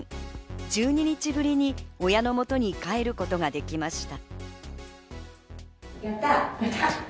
１２日ぶりに親の元に帰ることができました。